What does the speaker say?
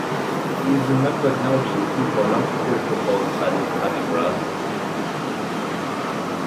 He is remembered now chiefly for a long satirical poem titled "Hudibras".